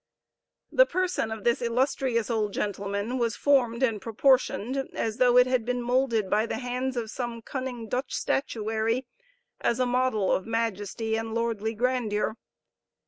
The person of this illustrious old gentleman was formed and proportioned, as though it had been moulded by the hands of some cunning Dutch statuary, as a model of majesty and lordly grandeur.